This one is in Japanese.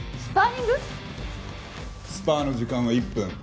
スパーの時間は１分。